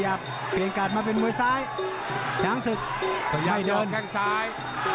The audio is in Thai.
ขยับเปลี่ยนการมาเป็นมวยซ้ายช้างศึกขยับยกแค่งซ้าย